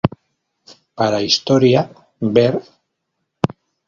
Para historia, ver